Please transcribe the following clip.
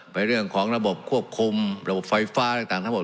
เรื่องของระบบควบคุมระบบไฟฟ้าต่างทั้งหมด